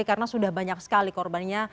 karena sudah banyak sekali korbannya